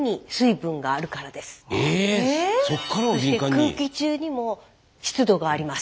空気中にも湿度があります。